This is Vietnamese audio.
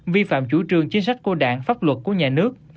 vi phạm chủ trương chính sách của đảng pháp luật của nhà nước